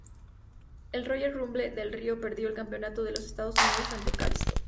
En Royal Rumble, Del Río perdió el Campeonato de los Estados Unidos ante Kalisto.